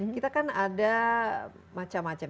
kita kan ada macam macam